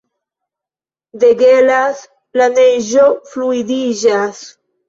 Degelas; la neĝo fluidiĝas.